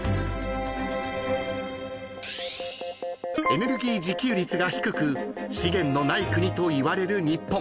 ［エネルギー自給率が低く資源のない国といわれる日本］